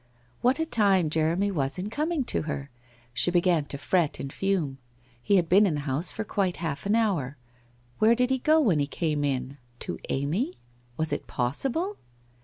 What a time Jeremy was in coming to her ! She began to fret and fume. He had been in the house for quite half an hour. Where did he go when he came in? To Amy ? Was it possible